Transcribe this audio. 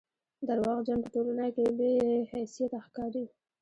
درواغجن په ټولنه کښي بې حيثيته ښکاري